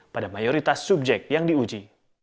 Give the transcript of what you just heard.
pada mayoritas subjek yang diuji